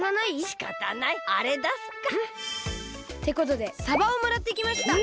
しかたないあれだすか。ってことでさばをもらってきました。